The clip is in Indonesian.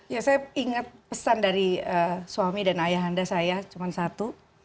ya saya ingat pesan dari suami dan ayah anda saya cuma satu